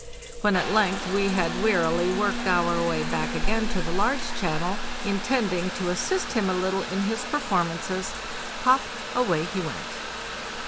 When at length we had wearily worked our way back again to the large channel, intending to assist him a little in his performances —pop, away he went.